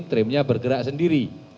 trimnya bergerak sendiri